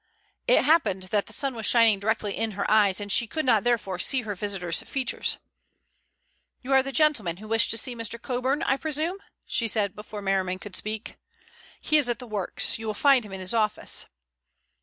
It happened that the sun was shining directly in her eyes, and she could not therefore see her visitors' features. "You are the gentlemen who wished to see Mr. Coburn, I presume?" she said before Merriman could speak. "He is at the works. You will find him in his office."